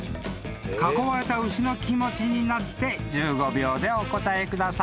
［囲われた牛の気持ちになって１５秒でお答えください］